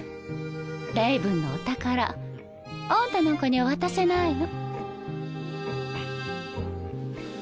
レイブンのお宝あんたなんかには渡せないの。